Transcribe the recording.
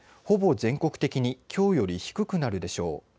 ほぼ全国的にきょうより低くなるでしょう。